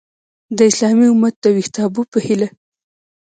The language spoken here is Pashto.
د اسلامي امت د ویښتابه په هیله!